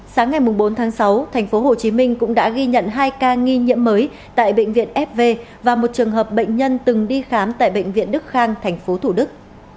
sáng ngày bốn tháng sáu tp hcm cũng đã ghi nhận hai ca nghi nhiễm mới tại bệnh viện fv và một trường hợp bệnh nhân từng đi khám tại bệnh viện đức khang tp thủ đức